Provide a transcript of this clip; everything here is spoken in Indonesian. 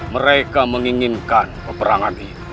mereka menginginkan peperangan ini